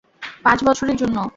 পাঁচ বছরের জন্য।